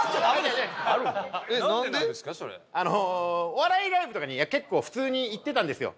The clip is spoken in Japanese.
お笑いライブとかに結構普通に行ってたんですよ。